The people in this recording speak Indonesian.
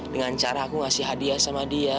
dengan cara aku ngasih hadiah sama dia